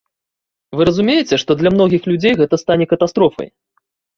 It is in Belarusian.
Вы разумееце, што для многіх людзей гэта стане катастрофай?